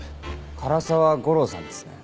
唐沢吾郎さんですね？